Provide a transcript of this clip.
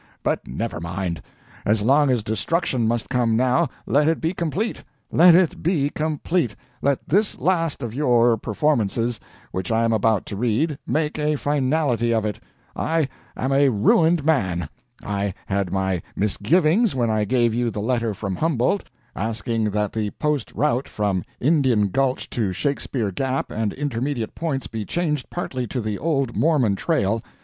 but never mind. As long as destruction must come now, let it be complete. Let it be complete let this last of your performances, which I am about to read, make a finality of it. I am a ruined man. I had my misgivings when I gave you the letter from Humboldt, asking that the post route from Indian Gulch to Shakespeare Gap and intermediate points be changed partly to the old Mormon trail.